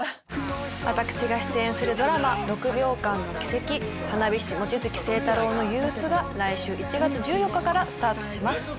私が出演するドラマ『６秒間の軌跡花火師・望月星太郎の憂鬱』が来週１月１４日からスタートします。